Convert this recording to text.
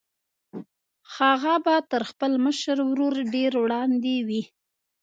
هغه به تر خپل مشر ورور ډېر وړاندې وي